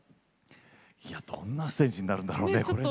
いやどんなステージになるんだろうねこれね。